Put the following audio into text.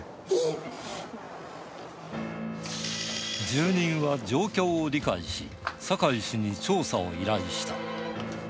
住人は状況を理解し、酒井氏に調査を依頼した。